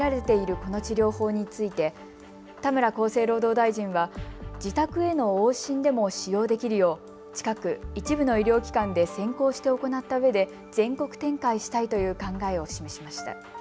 この治療法について田村厚生労働大臣は自宅への往診でも使用できるよう近く一部の医療機関で先行して行ったうえで全国展開したいという考えを示しました。